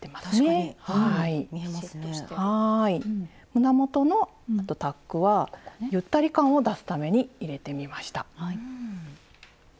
胸元のタックはゆったり感を出すために入れてみました。